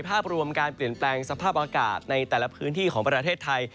ภาพรวมการเปลี่ยนแปลงสภาพอากาศในแต่ละพื้นที่ของประเทศไทย